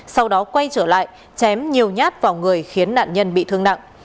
sau đó quay trở lại chém nhiều nhát vào người khiến nạn nhân bị thương nặng